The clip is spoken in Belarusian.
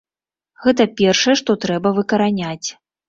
Гэта першае, што трэба выкараняць.